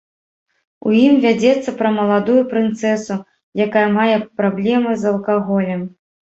У ім вядзецца пра маладую прынцэсу, якая мае праблемы з алкаголем.